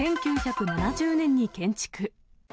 １９７０年に建築。